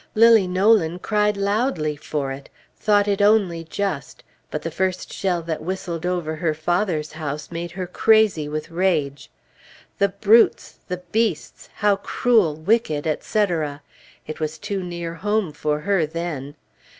Lilly Nolan cried loudly for it; thought it only just; but the first shell that whistled over her father's house made her crazy with rage. The brutes! the beasts! how cruel! wicked! etc. It was too near home for her, then.